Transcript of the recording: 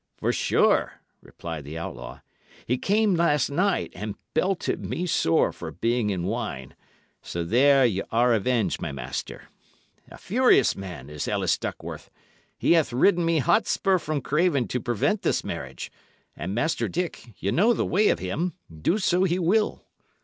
"For sure," replied the outlaw. "He came last night, and belted me sore for being in wine so there ye are avenged, my master. A furious man is Ellis Duckworth! He hath ridden me hot spur from Craven to prevent this marriage; and, Master Dick, ye know the way of him do so he will!"